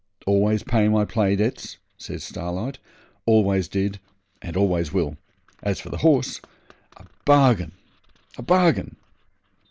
'Always pay my play debts,' says Starlight. 'Always did, and always will. As for the horse a bargain, a bargain.'